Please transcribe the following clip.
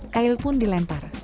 kail pun dilempar